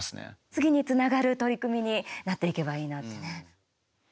次につながる取り組みになっていけばいいなってね。